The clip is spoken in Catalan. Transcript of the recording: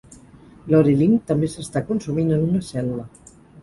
Laureline també s'està consumint en una cel·la.